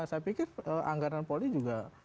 saya pikir anggaran polri juga